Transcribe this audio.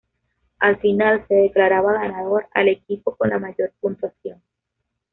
Al final se declaraba ganador al equipo con la mayor puntuación.